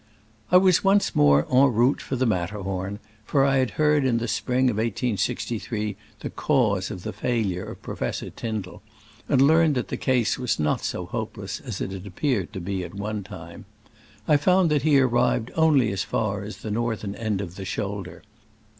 I was once more en route for the Mat terhorn, for I had heard in the spring of 1863 the cause of the failure of Pro fessor Tyndall, and learned that the case was not so hopeless as it appeared to be at one time. I found that he ar rived as far only as the northern end of "the shoulder."